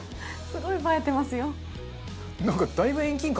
すごい映えてますよ。